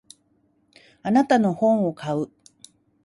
あなたの本を買う。